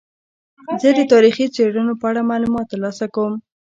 زه د تاریخي څیړنو په اړه معلومات ترلاسه کوم.